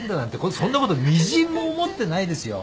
そんなことみじんも思ってないですよ。